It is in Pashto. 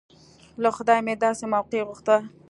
له خدايه مې داسې موقع غوښته.